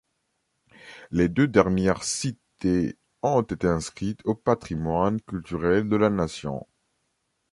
Les deux dernières citées ont été inscrites au Patrimoine culturel de la Nation.